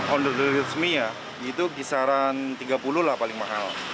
ondel resmi ya itu kisaran tiga puluh lah paling mahal